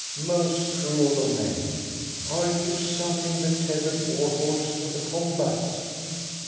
Most cruel of men, are you summoning the tethered war horse to the combat?